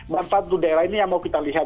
manfaat untuk daerah ini yang mau kita lihat